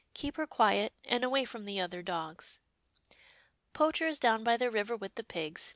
Keep her quiet, and away from the other dogs." Poacher is down by the river with the pigs.